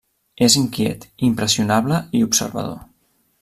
És inquiet, impressionable i observador.